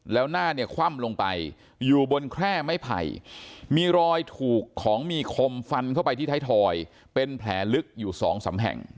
แล้วหน้าเนี่ยคว่ำลงไปอยู่บนแคร่ไม้ไผ่มีรอยถูกของมีคมฟันเข้าไปที่ไทยทอยเป็นแผลลึกอยู่สองสามแห่ง